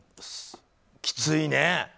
きついね。